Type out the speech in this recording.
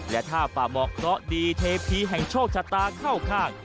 และถ้าป่าหมอกเคราะห์ดีเทพีแห่งโชคชะตาเข้าข้าง